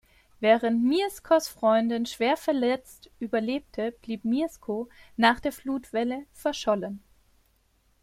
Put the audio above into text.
Während Mieszkos Freundin schwer verletzt überlebte, blieb Mieszko nach der Flutwelle verschollen.